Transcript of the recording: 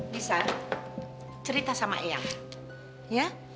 bisa cerita sama eang ya